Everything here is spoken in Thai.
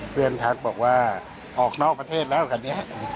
เพื่อนทางบอกว่าออกนอกประเทศแล้วแบบเนี้ย